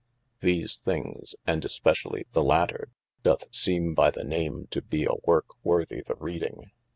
These thinges (and especially the later) doth seeme by the name to be a work worthy the reading.